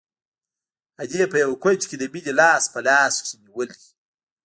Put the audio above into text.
ادې په يوه کونج کښې د مينې لاس په لاس کښې نيولى.